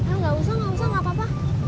enggak usah gak usah gak apa apa